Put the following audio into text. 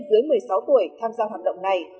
dưới một mươi sáu tuổi tham gia hoạt động này